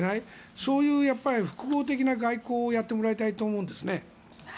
そういう複合的な外交をやってもらいたいと思うんですね。